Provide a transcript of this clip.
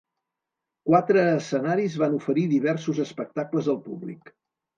Quatre escenaris van oferir diversos espectacles al públic.